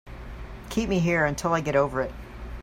Keep me here until I get over it.